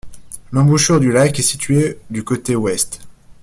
L'embouchure du lac est située du côté ouest.